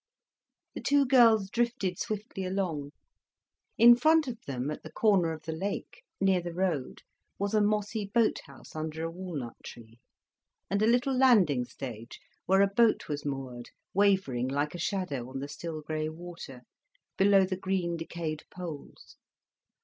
The two girls drifted swiftly along. In front of them, at the corner of the lake, near the road, was a mossy boat house under a walnut tree, and a little landing stage where a boat was moored, wavering like a shadow on the still grey water, below the green, decayed poles.